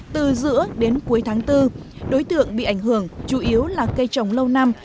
từ giữa đến cuối tháng bốn đối tượng bị ảnh hưởng chủ yếu là cây trồng lâu năm